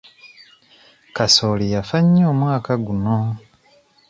Kasooli yafa nnyo omwaka guno.